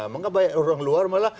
maka banyak orang luar malah